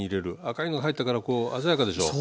赤いのが入ったから鮮やかでしょう？